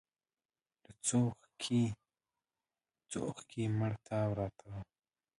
له څوښکي يې مړ تاو راووت.